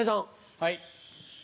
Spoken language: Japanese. はい。